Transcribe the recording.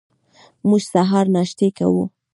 موږ سهار ناشتې کوو.